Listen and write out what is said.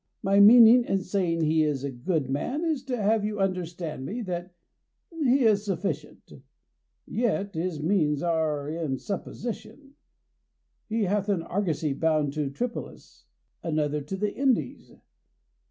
My meaning in saying he is a good man is to have you understand me that he is sufficient. Yet his means are in supposition. He hath an argosy bound to Tripolis, another to the Indies.